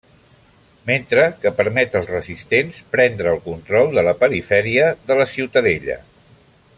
Mentre que permet als resistents prendre el control de la perifèria de la Ciutadella.